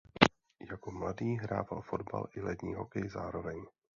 Jako mladý hrával fotbal i lední hokej zároveň.